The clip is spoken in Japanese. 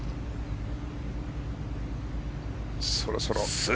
そろそろ。